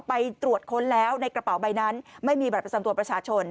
ไปตรวจค้นแล้วในกระเป๋าใบนั้นไม่มีบัตรประจำตัวประชาชน